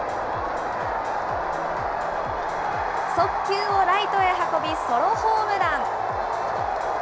速球をライトへ運び、ソロホームラン。